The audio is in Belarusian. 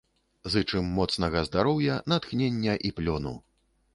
Зычым моцнага здароўя, натхнення і плёну!